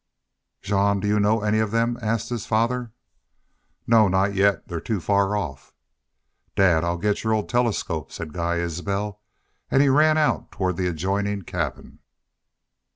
"Jean, do you know any of them?" asked his father "No, not yet. They're too far off." "Dad, I'll get your old telescope," said Guy Isbel, and he ran out toward the adjoining cabin.